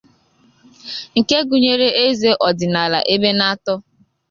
nke gụnyere eze ọdịnala Ebenatọr